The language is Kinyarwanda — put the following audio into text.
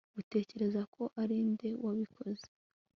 Utekereza ko ari nde wabikoze